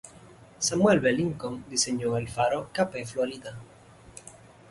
Samuel B. Lincoln diseñó el faro Cape Florida.